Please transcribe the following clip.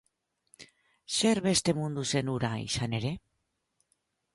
Zer beste mundu zen hura, izan ere?